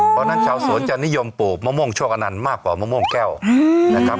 เพราะฉะนั้นชาวสวนจะนิยมปลูกมะม่วงโชคอนันต์มากกว่ามะม่วงแก้วนะครับ